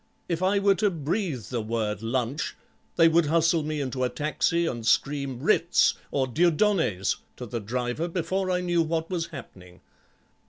If I were to breathe the word 'lunch' they would hustle me into a taxi and scream 'Ritz' or 'Dieudonne's' to the driver before I knew what was happening."